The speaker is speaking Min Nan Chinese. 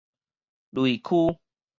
雷丘